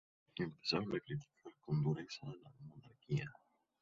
Empezaron a criticar con dureza a la monarquía.